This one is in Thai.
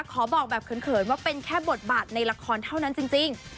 ขอบอกแบบเขินว่าเป็นแค่บทบาทในละครเท่านั้นจริง